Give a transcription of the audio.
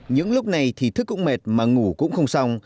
những lúc này thì thức cũng mệt mà ngủ cũng không xong